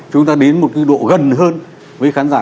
chúng ta đến một cái độ gần hơn với khán giả